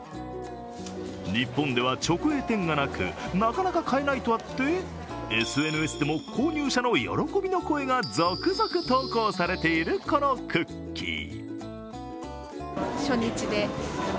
日本では直営店がなく、なかなか買えないとあってＳＮＳでも、購入者の喜びの声が続々投稿されているこのクッキー。